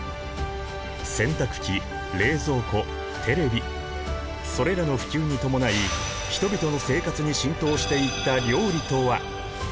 洗濯機冷蔵庫テレビそれらの普及に伴い人々の生活に浸透していった料理とは？